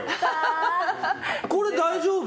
これ大丈夫？